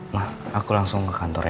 nah aku langsung ke kantor ya